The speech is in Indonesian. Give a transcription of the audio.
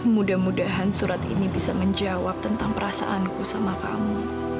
mudah mudahan surat ini bisa menjawab tentang perasaanku sama kamu